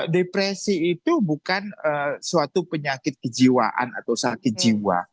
depresi itu bukan suatu penyakit kejiwaan atau sakit jiwa